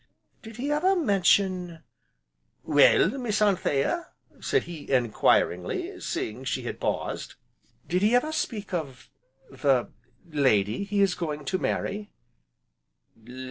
"Did he ever mention " "Well, Miss Anthea?" said he enquiringly, seeing she had paused. "Did he ever speak of the lady he is going to marry?"